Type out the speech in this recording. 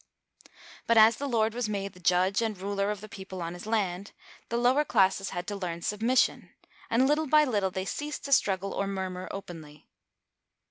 But as the lord was made the judge and ruler of the people on his land, the lower classes had to learn submission, and little by little they ceased to struggle or murmur openly.